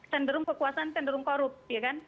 cenderung kekuasaan cenderung korup